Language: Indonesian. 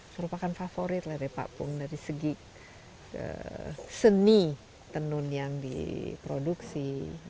merupakan favorit lah dari pak pung dari segi seni tenun yang diproduksi